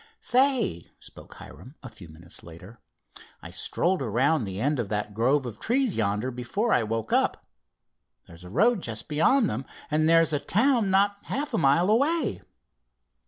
"Say," spoke Hiram a few minutes later, "I strolled around the end of that grove of trees yonder before I woke you up. There's a road just beyond them, and there's a town not half a mile away."